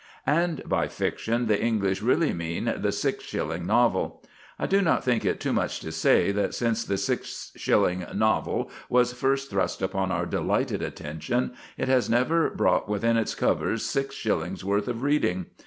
And by fiction the English really mean the six shilling novel. I do not think it is too much to say, that since the six shilling novel was first thrust upon our delighted attention it has never brought within its covers six shillings' worth of reading.